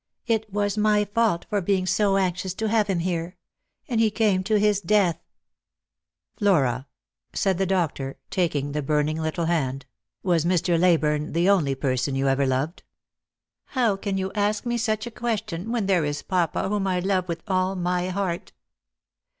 " It was my fault for being so anxious to have him here. And he came to his death !" "Flora," said the doctor, taking the burning little hand, "wan Mr. Leyburne the only person you ever loved ?"" How can you ask me such a question, when there is papa, whom I love with all my heart